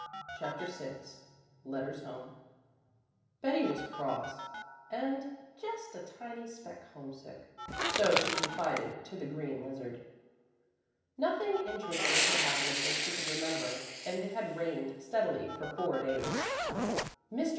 CHAPTER VI LETTERS HOME Betty was cross and "just a tiny speck homesick," so she confided to the green lizard. Nothing interesting had happened since she could remember, and it had rained steadily for four days. Mr.